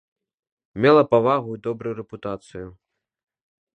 Мела павагу і добрую рэпутацыю.